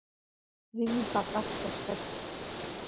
rini paqa qoshqet